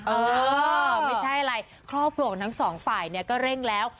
เออไม่ใช่อะไรครอบครัวของทั้งสองฝ่ายเนี่ยก็เร่งแล้ว